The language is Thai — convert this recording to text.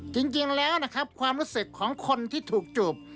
จริงแล้วนะครับความรู้สึกของคนที่ถูกจูบ